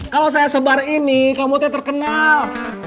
kalau saya sebar ini kamu tuh terkenal